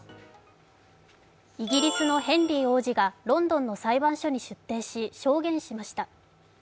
イギリスのヘンリー王子がロンドンの裁判所に出廷し証言しました。